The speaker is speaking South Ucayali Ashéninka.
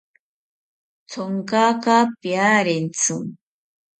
Thonkaka piarentzi